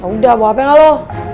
udah mau hape gak lo